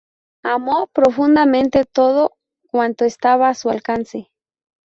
Amó profundamente todo cuanto estaba a su alcance.